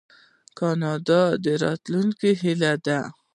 کاناډا د راتلونکي هیله ده.